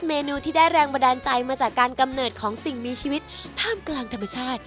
เมนูที่ได้แรงบันดาลใจมาจากการกำเนิดของสิ่งมีชีวิตท่ามกลางธรรมชาติ